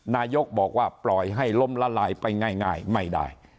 นายกบอกว่าปล่อยให้ล้มละลายไปง่ายไม่ได้